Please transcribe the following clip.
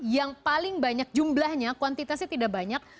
yang paling banyak jumlahnya kuantitasnya tidak banyak